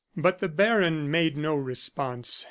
But the baron made no response.